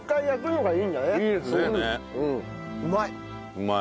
うまい！